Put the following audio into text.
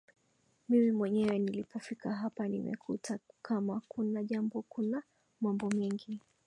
mimi mwenyewe nilipofika hapa nimekuta kama kuna jambo kuna mambo mengi